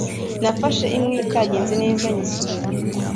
Nafashe imwe itagenze neza nyisubiramo